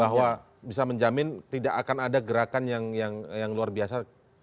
bahwa bisa menjamin tidak akan ada gerakan yang luar biasa